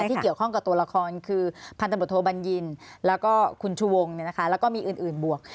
ที่เกี่ยวข้องกับตัวละครคือพันธบทโทบัญญินแล้วก็คุณชูวงแล้วก็มีอื่นบวก